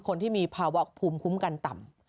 คนที่มีภาวะภูมิคุ้มกันต่ำ